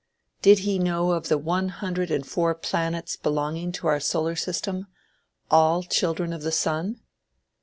Did he know of the one hundred and four planets belonging to our solar system, all children of the sun?